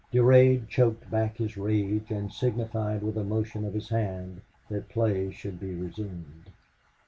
Durade choked back his rage and signified with a motion of his hand that play should be resumed.